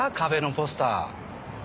ポスター？